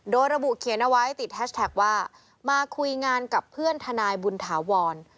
โดยระบุเขียนเอาไว้ติดแฮชแท็กว่ามาคุยงานกับเพื่อนทนายบุญถาวร